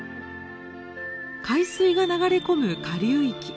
海水が流れ込む下流域。